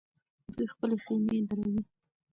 دوی خپلې خېمې دروي.